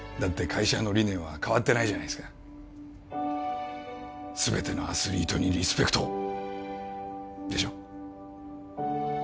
会社の理念は変わってないじゃないですかすべてのアスリートにリスペクトをでしょ？